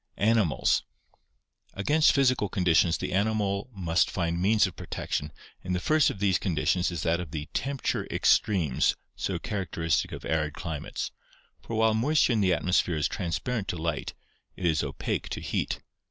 Animals. — Against physical conditions the animal must find means of protection and the first of these conditions is that of the temperature extremes so characteristic of arid climates, for while moisture in the atmosphere is transparent to light, it is opaque to heat.